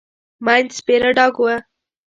مينځ سپيره ډاګ و.